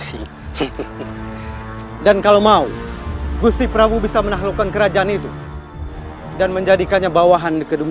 tidak kau tidak bisa melarikan diri dari anak panah